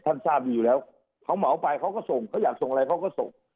ทราบดีอยู่แล้วเขาเหมาไปเขาก็ส่งเขาอยากส่งอะไรเขาก็ส่ง